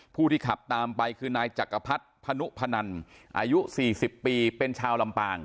ผู้ที่ขับตามไปคือนายจักรพรรดิพนุพนันอายุ๔๐ปีเป็นชาวลำปาง